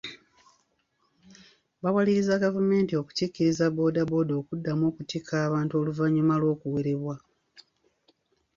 Bawaliririza gavumenti okukkiriza booda booda okuddamu okutikka abantu oluvannyuma lw'okuwerebwa.